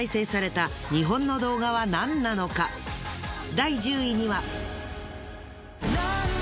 第１０位には。